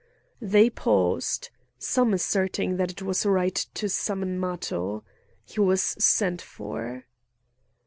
They paused, some asserting that it was right to summon Matho. He was sent for.